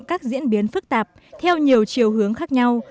các diễn biến phức tạp theo nhiều chiều hướng khác nhau